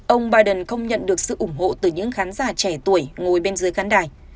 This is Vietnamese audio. ông biden không nhận được sự ủng hộ từ những khán giả trẻ tuổi ngồi bên dưới khán đài